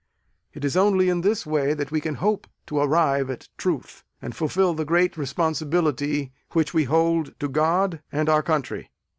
It is only in this way that we can hope to arrive at truth, and fulfil the great responsibility which we hold to God and our country.